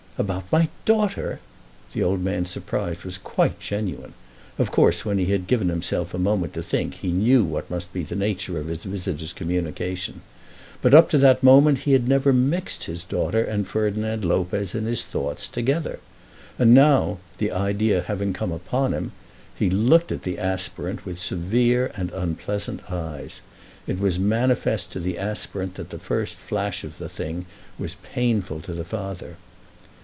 "About my daughter!" The old man's surprise was quite genuine. Of course when he had given himself a moment to think, he knew what must be the nature of his visitor's communication. But up to that moment he had never mixed his daughter and Ferdinand Lopez in his thoughts together. And now, the idea having come upon him, he looked at the aspirant with severe and unpleasant eyes. It was manifest to the aspirant that the first flash of the thing was painful to the father.